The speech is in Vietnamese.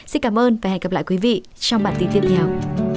xin cảm ơn và hẹn gặp lại quý vị trong bản tin tiếp theo